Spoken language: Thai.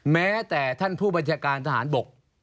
แม้แต่ท่านผู้บัญชาการทหารบก